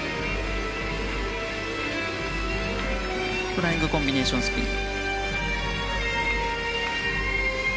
フライングコンビネーションスピン。